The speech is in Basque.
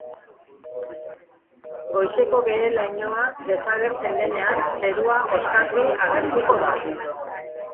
Goizeko behe-lainoa desagertzen denean, zerua oskarbi agertuko da.